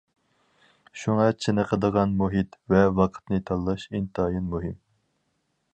شۇڭا چېنىقىدىغان مۇھىت ۋە ۋاقىتنى تاللاش ئىنتايىن مۇھىم.